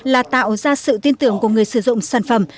là tạo ra sự tin tưởng của người sử dụng sản phẩm